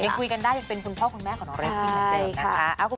ยังคุยกันได้ยังเป็นคุณพ่อคุณแม่ของน้องเรสซี่นั่นเองนะคะ